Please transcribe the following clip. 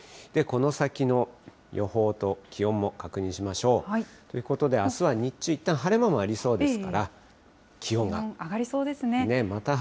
この先の予報と気温も確認しましょう。ということで、あすは日中、いったん晴れ間もありそうですから、上がりそうですね。